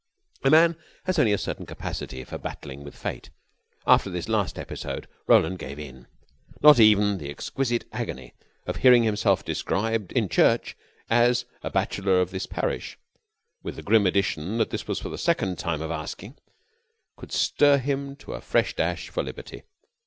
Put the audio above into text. A man has only a certain capacity for battling with Fate. After this last episode Roland gave in. Not even the exquisite agony of hearing himself described in church as a bachelor of this parish, with the grim addition that this was for the second time of asking, could stir him to a fresh dash for liberty.